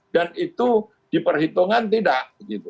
dan itu diperhitungan tidak